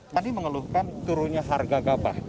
tadi mengeluhkan turunnya harga gabah